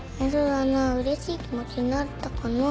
うれしい気持ちになったかな。